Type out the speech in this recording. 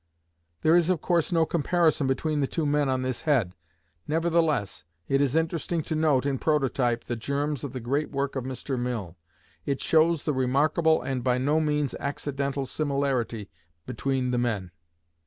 There is of course no comparison between the two men on this head: nevertheless it is interesting to note in prototype the germs of the great work of Mr. Mill. It shows the remarkable and by no means accidental similarity between the men.